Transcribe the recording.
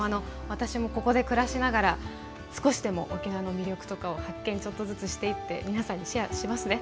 私もここで暮らしながら少しでも沖縄の魅力とかを発見ちょっとずつしていって皆さんにシェアしますね